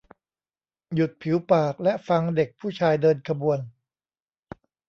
หยุดผิวปากและฟังเด็กผู้ชายเดินขบวน